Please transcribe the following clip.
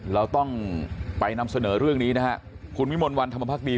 เราต้องไปนำเสนอเรื่องนี้นะฮะคุณวิมลวันธรรมภักดี